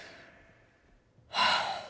はあ。